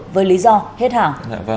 với lý do hết hẳn